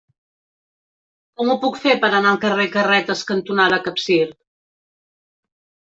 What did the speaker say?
Com ho puc fer per anar al carrer Carretes cantonada Capcir?